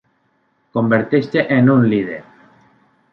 Converteix-te en un líder!